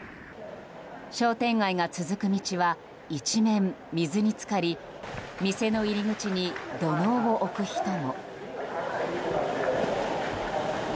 商店街が続く道は一面、水に浸かり店の入り口に土のうを置く人も。